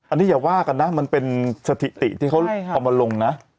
อันนี้อย่าว่ากันนะมันเป็นสถิติที่เขาเอามาลงนะ